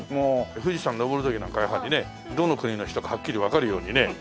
富士山登る時なんかやはりねどの国の人かはっきりわかるようにね。